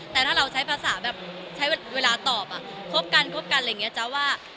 แต่ถ้าเราใช้ภาษาแบบใช้เวลาตอบคบกันคบกันอะไรอย่างนี้จ๊ะว่า